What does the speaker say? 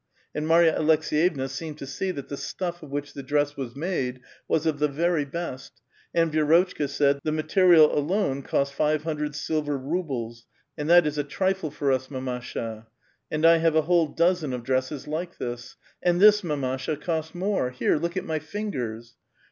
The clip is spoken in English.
And Marva Aleks^vevna seemed to see that the stutf of which the dress was made was of the very best, and Vi<^rotchka said :" The material alone cost five hundred silver rubles, and that is a trifle for us, mamasha; and I have a whole dozen of dresses like this ! and this, mamasha^ cost more, — here, look nt my fingers!"